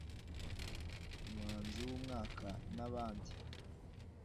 umuhanzi w’umwaka n’abandi